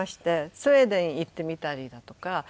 スウェーデン行ってみたりだとか。